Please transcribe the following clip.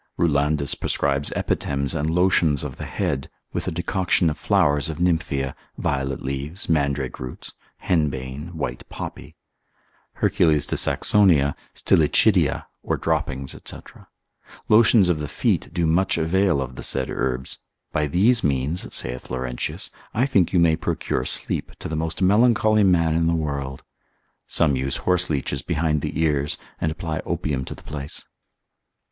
Rulandus cent. 1. cur. 17. cent. 3. cur. 94. prescribes epithems and lotions of the head, with the decoction of flowers of nymphea, violet leaves, mandrake roots, henbane, white poppy. Herc. de Saxonia, stillicidia, or droppings, &c. Lotions of the feet do much avail of the said herbs: by these means, saith Laurentius, I think you may procure sleep to the most melancholy man in the world. Some use horseleeches behind the ears, and apply opium to the place.